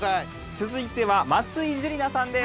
続いては松井珠理奈さんです。